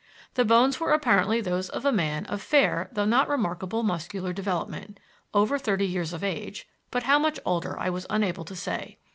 The bones were apparently those of a man of fair though not remarkable muscular development; over thirty years of age, but how much older I was unable to say.